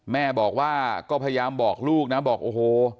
แม่บอกว่าก็พยายามบอกลูกนะบอกโอ้โห